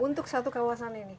untuk satu kawasan ini